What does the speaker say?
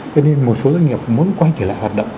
cho nên một số doanh nghiệp muốn quay trở lại hoạt động